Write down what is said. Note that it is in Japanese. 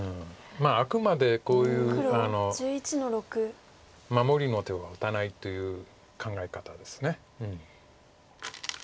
あくまでこういう守りの手は打たないという考え方です。